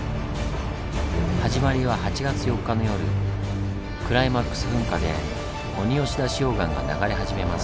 始まりは８月４日の夜クライマックス噴火で鬼押出溶岩が流れ始めます。